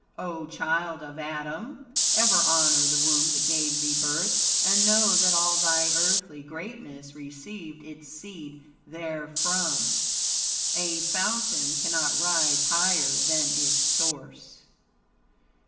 O child of Adam! Ever honor the womb that gave thee birth, and know that all thy earthly greatness received its seed therefrom. A fountain cannot rise higher than its source.